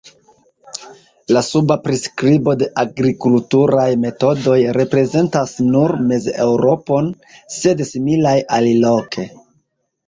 La suba priskribo de agrikulturaj metodoj reprezentas nur Mez-Eŭropon, sed similaj aliloke.